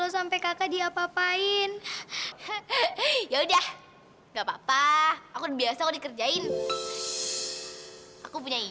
sampai jumpa di video selanjutnya